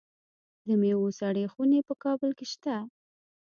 د میوو سړې خونې په کابل کې شته.